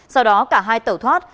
sau đó cả hai tẩu thoát